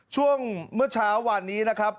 เมื่อเช้าวานนี้นะครับ